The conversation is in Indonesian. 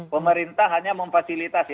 pemerintah hanya memfasilitasi